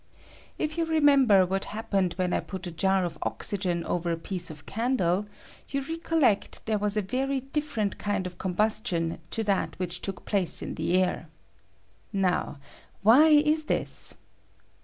If you remember what happened when I put a jar of oxygen over a piece of candle, you recollect there was a very different kind of combustion to that which took place in the air. Now why is this?